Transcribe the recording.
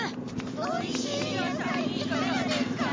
おいしいやさいいかがですか。